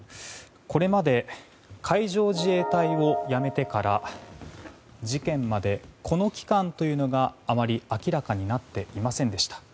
これまで海上自衛隊を辞めてから事件までのこの期間というのがあまり明らかになっていませんでした。